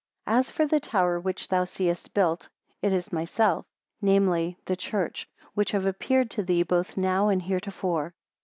38 As for the tower which thou seest built, it is myself, namely, the church, which have appeared to thee both now and heretofore.